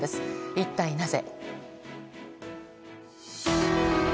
一体なぜ。